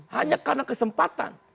hanya karena kesempatan